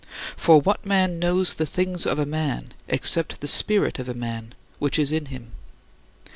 "For what man knows the things of a man except the spirit of a man which is in him?